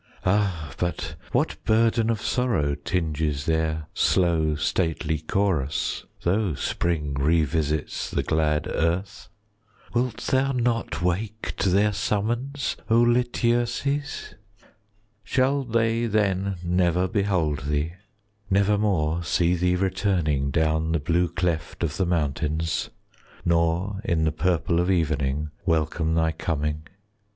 20 Ah, but what burden of sorrow Tinges their slow stately chorus, Though spring revisits the glad earth? Wilt thou not wake to their summons, O Lityerses? 25 Shall they then never behold thee,— Nevermore see thee returning Down the blue cleft of the mountains, Nor in the purple of evening Welcome thy coming?